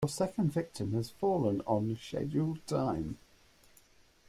Dear Sir, Your second victim has fallen on schedule time.